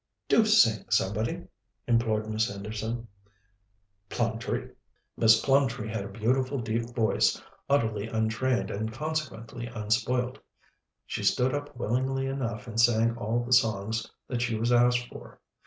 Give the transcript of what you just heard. "Do sing, somebody," implored Miss Henderson. "Plumtree?" Miss Plumtree had a beautiful deep voice, utterly untrained and consequently unspoilt. She stood up willingly enough and sang all the songs that she was asked for.